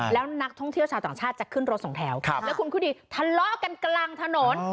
แล้วนักท่องเที่ยวชาวต่างชาติจะขึ้นรถสองแถวแล้วคุณพูดดีทะเลาะกันกลางถนน